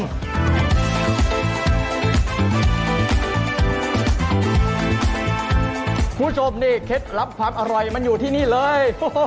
คุณผู้ชมนี่เคล็ดลับความอร่อยมันอยู่ที่นี่เลย